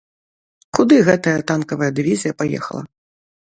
Куды гэтая танкавая дывізія паехала?